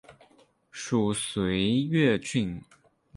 属绥越郡。